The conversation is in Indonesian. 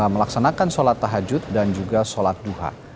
melaksanakan sholat tahajud dan juga sholat duha